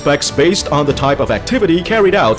berdasarkan jenis aktivitas yang diperlukan